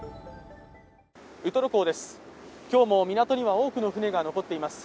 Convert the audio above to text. ウトロ港です、今日も港には多くの船が残っています。